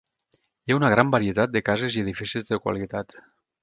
Hi ha una gran varietat de cases i edificis de qualitat.